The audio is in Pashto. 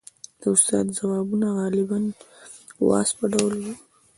• د استاد ځوابونه غالباً د وعظ په ډول وو.